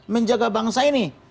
menjaga bangsa ini